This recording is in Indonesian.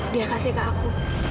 dia kasih ke aku